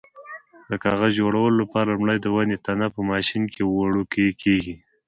د کاغذ جوړولو لپاره لومړی د ونې تنه په ماشین کې وړوکی کېږي.